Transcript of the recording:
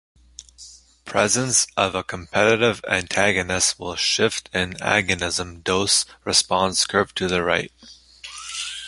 Presence of a competitive antagonist will shift an agonism dose-response curve to the right.